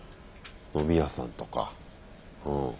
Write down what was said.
飲み屋さんとか。